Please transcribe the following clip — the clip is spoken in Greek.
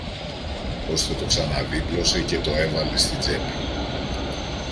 ώστε το ξαναδίπλωσε και το έβαλε στην τσέπη.